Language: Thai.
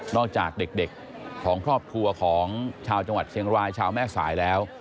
จากเด็กของครอบครัวของชาวจังหวัดเชียงรายชาวแม่สายแล้ว